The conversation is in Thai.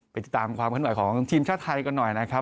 ติดตามความขึ้นไหวของทีมชาติไทยกันหน่อยนะครับ